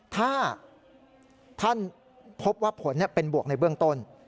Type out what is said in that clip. ถ้าท่านพบว่าผลเป็นบวกในเบื้องต้น